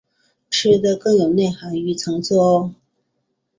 吃的更有内涵与层次喔！